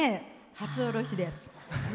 初下ろしです。